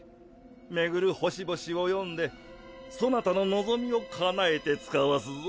巡る星々を読んでそなたの望みを叶えて遣わすぞ。